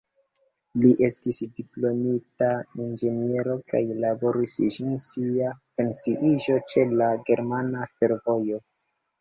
Li estis diplomita inĝeniero kaj laboris ĝis sia pensiiĝo ĉe la Germana Fervojo.